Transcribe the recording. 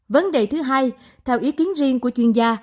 vấn đề thứ hai theo ý kiến riêng của chuyên gia